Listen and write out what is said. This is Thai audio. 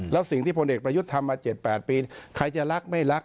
แล้วสิ่งที่พลเอกประยุทธ์ทำมา๗๘ปีใครจะรักไม่รัก